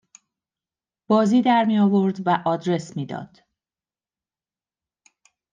بازی در می آورد و آدرس می داد